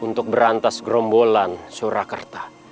untuk berantas gerombolan surakerta